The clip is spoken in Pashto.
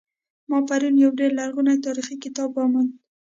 ما پرون یو ډیر لرغنۍتاریخي کتاب وموند